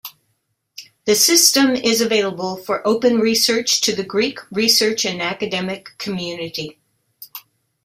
The system is available for open research to the Greek research and academic community.